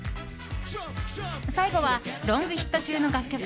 最後はロングヒット中の楽曲